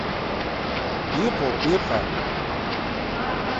Иҟоуп, иҟа!